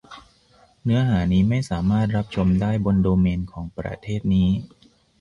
เนื้อหานี้ไม่สามารถรับชมได้บนโดเมนของประเทศนี้